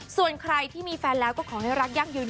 ส่วนใครที่มีแฟนแล้วก็ขอให้รักยั่งยืน